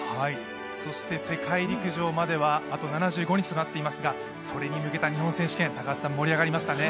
そして世界陸上まではあと７５日となっていますがそれに向けた日本選手権盛り上がりましたね